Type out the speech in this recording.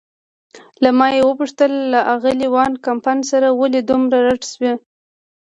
له ما یې وپوښتل: له آغلې وان کمپن سره ولې دومره رډ شوې؟